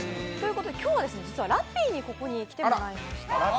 今日はラッピーにここに着てもらいました。